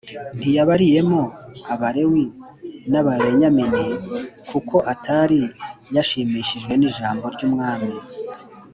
ntiyabariyemo b Abalewi c n Ababenyamini kuko atari yashimishijwe n ijambo ry umwami